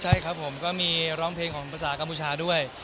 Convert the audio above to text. ใช่ครับผมก็มีร้องเพลงของภาษากัมพูชาด้วย